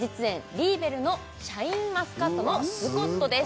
リーベルのシャインマスカットのズコットです